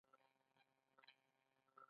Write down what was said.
ایا ستاسو سیمه به امن نه وي؟